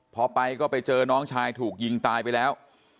พอไปก็ไปเจอน้องชายถูกยิงตายไปแล้ว